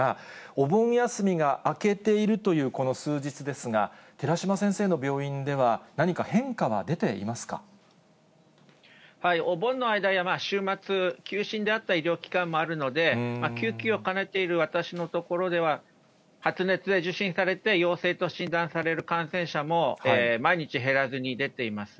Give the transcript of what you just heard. お盆休みが明けているという、この数日ですが、寺嶋先生の病院では、お盆の間や週末、休診であった医療機関もあるので、救急を兼ねている私の所では、発熱で受診されて、陽性と診断される感染者も毎日、減らずに出ています。